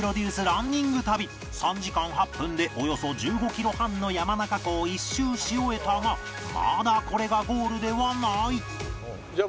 ランニング旅３時間８分でおよそ１５キロ半の山中湖を一周し終えたがまだこれがゴールではない